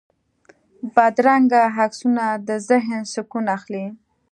بدرنګه عکسونه د ذهن سکون اخلي